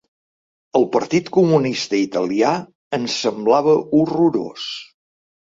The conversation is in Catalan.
El Partit Comunista Italià ens semblava horrorós.